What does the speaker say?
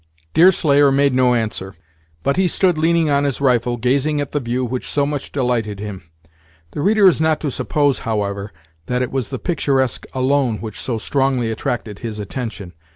Deerslayer made no answer; but he stood leaning on his rifle, gazing at the view which so much delighted him. The reader is not to suppose, however, that it was the picturesque alone which so strongly attracted his attention.